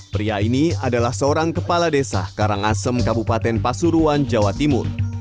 pria ini adalah seorang kepala desa karangasem kabupaten pasuruan jawa timur